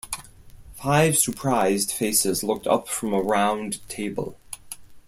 Five surprised faces looked up from a round table.